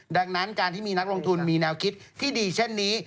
ดังนั้นการที่มีนักลงทุนมีแนวคิดที่ดีเช่นนี้